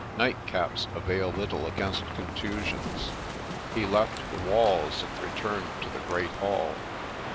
Nightcaps avail little against contusions. He left the walls and returned to the great hall.